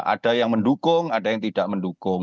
ada yang mendukung ada yang tidak mendukung